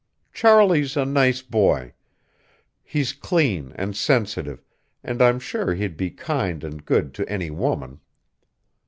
Charlie's a nice boy. He's clean and sensitive, and I'm sure he'd be kind and good to any woman.